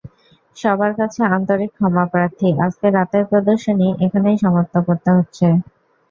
সবার কাছে আন্তরিক ক্ষমাপ্রার্থী, আজকে রাতের প্রদর্শনী এখানেই সমাপ্ত করতে হচ্ছে।